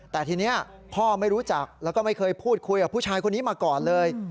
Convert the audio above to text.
แต่ทีนี้พ่อไม่รู้จักแล้วก็ไม่เคยพูดคุยกับผู้ชายคนนี้มาก่อนเลย